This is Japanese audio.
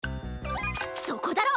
そこだろ！